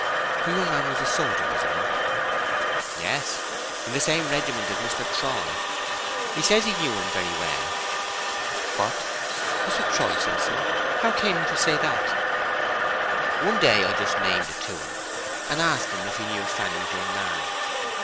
"Her young man was a soldier, was he not?" "Yes. In the same regiment as Mr. Troy. He says he knew him very well." "What, Mr. Troy says so? How came he to say that?" "One day I just named it to him, and asked him if he knew Fanny's young man.